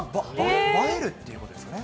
映えるっていうことですかね。